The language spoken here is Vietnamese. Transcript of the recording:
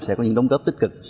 sẽ có những đóng cấp tích cực